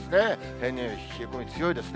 平年より冷え込み強いですね。